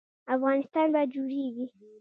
افغانستان به جوړیږي؟